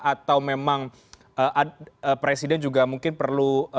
atau memang presiden juga mungkin perlu